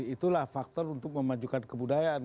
itulah faktor untuk memajukan kebudayaan